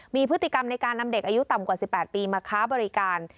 มีพฤติกรรมในการนำเด็กอายุต่ำกว่า๑๘ปีมาค้าบริการ